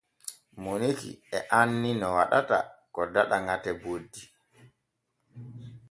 Moniki e anni no waɗata ko daɗa ŋate boddi.